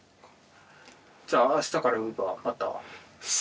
じゃああしたからウーバーまた。